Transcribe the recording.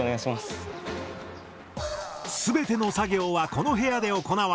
全ての作業はこの部屋で行われる。